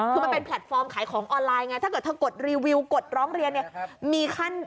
คือมันเป็นแพลตฟอร์มขายของออนไลน์ไงถ้าเกิดเธอกดรีวิวกดร้องเรียนเนี่ยมีขั้น